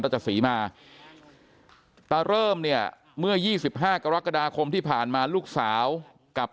จะศรีมาตาเริ่มเนี่ยเมื่อ๒๕กรกฎาคมที่ผ่านมาลูกสาวกับ